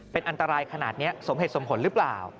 เป็นอันตรายขนาดนี้สมเหตุสมผลหรือเปล่า